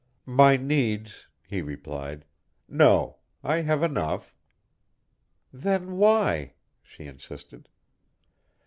"My needs," he replied. "No; I have enough." "Then why?" she insisted.